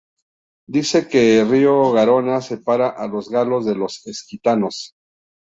Dice que el río Garona separa a los galos de los aquitanos.